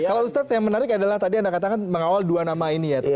kalau ustadz yang menarik adalah tadi anda katakan mengawal dua nama ini ya